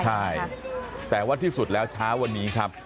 ใช่แต่ว่าที่สุดแล้วเช้าวันนี้ครับ